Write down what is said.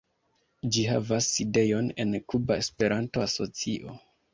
Ĝi havas sidejon en Kuba Esperanto-Asocio.